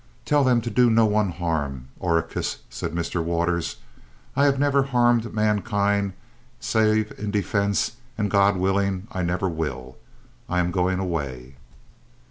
"Tell them to do no one harm, Oracus," said Mr. Waters. "I have never harmed mankind, save in defence, and, God willing, I never will. I am going away."